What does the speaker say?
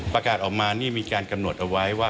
ประกาศออกมานี่มีการกำหนดเอาไว้ว่า